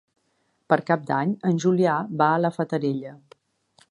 Per Cap d'Any en Julià va a la Fatarella.